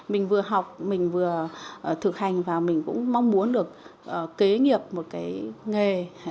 mình vừa học mình vừa thực hành và mình cũng mong muốn được kế nghiệp một cái nghề